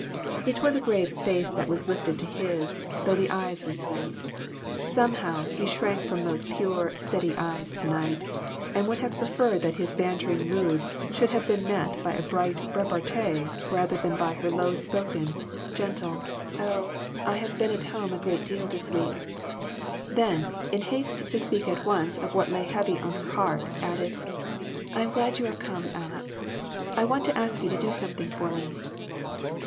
It was a grave face that was lifted to his, though the eyes were sweet. Somehow, he shrank from those pure, steady eyes to night, and would have preferred that his bantering mood should have been met by a bright repartee rather than by her low spoken, gentle "Oh, I have been at home a great deal this FANATICISM. 335 week." Then, in haste to speak at once of what lay heavy on her heart, added " I am glad you are come, Aleck ; I want to ask you to do some thing for me."